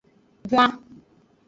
Huan.